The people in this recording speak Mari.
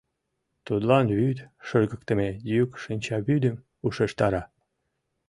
Тудлан вӱд шыргыктыме йӱк шинчавӱдым ушештара.